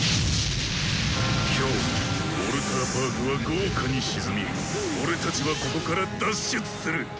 今日ウォルターパークは業火に沈み俺たちはここから脱出する。